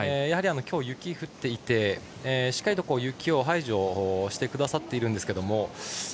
やはり今日、雪が降っていてしっかりと雪を排除してくださっているんですけど